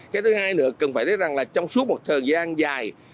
cái thứ hai nữa cần phải thấy rằng là trong suốt một thời gian dài